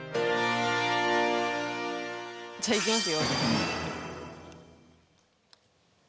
じゃあいきますよ。